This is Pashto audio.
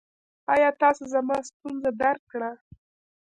ایا تاسو زما ستونزه درک کړه؟